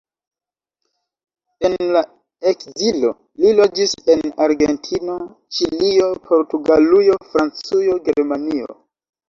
En la ekzilo, li loĝis en Argentino, Ĉilio, Portugalujo, Francujo, Germanio.